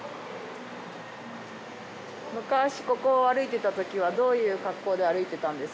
昔ここを歩いてた時はどういう格好で歩いてたんですか？